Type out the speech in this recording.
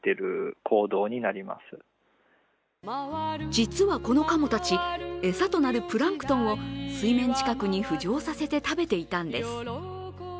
実はこのかもたち、餌となるプランクトンを水面近くに浮上させて食べていたんです。